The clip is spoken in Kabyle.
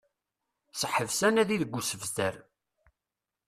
Seḥbes anadi deg usebter